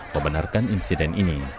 membenarkan insiden ini